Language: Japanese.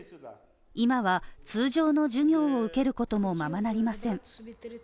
今は通常の授業を受けることもままなりません。